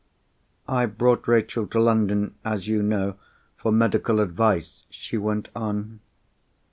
"I brought Rachel to London, as you know, for medical advice," she went on.